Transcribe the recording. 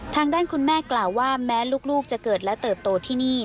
ทางด้านคุณแม่กล่าวว่าแม้ลูกจะเกิดและเติบโตที่นี่